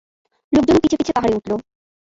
লোকজনও পিছে পিছে পাহাড়ে উঠল।